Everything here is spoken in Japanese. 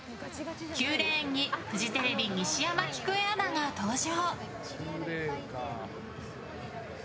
９レーンのフジテレビ西山喜久恵アナが登場。